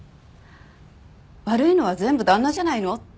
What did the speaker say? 悪いのは全部旦那じゃないの？って。